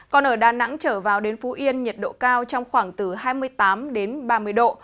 còn ở đà nẵng trở vào đến phú yên nhiệt độ cao trong khoảng từ hai mươi tám đến ba mươi độ